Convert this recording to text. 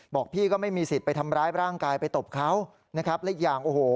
บอกพี่ก็ไม่มีสิทธิ์ไปทำร้ายร่างกายไปตบเขาและอีกอย่าง